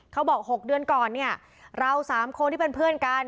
เขาบอก๖เดือนก่อนเนี่ยเรา๓คนที่เป็นเพื่อนกัน